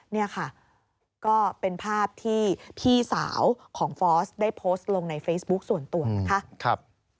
นี่ค่ะก็เป็นภาพที่พี่สาวของฟอสได้โพสต์ลงในเฟซบุ๊คส่วนตัวนะคะ